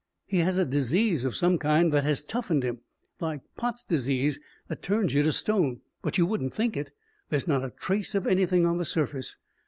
He has a disease of some kind that has toughened him. Like Pott's disease, that turns you to stone. But you wouldn't think it. There's not a trace of anything on the surface.